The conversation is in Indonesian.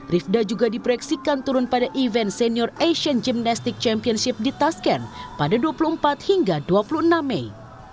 rivda juga diproyeksikan turun pada event senior asian gimnastic championship di tasken pada dua puluh empat hingga dua puluh enam mei